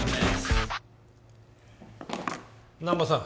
難波さん